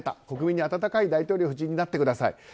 国民に温かい大統領夫人になってください。